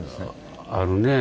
あるねえ。